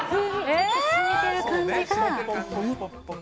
しみてる感じが。